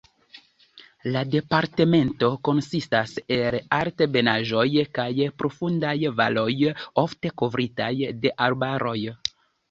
La departemento konsistas el altebenaĵoj kaj profundaj valoj ofte kovritaj de arbaroj.